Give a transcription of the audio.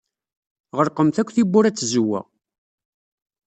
Ɣelqemt akk tiwwura ed tzewwa.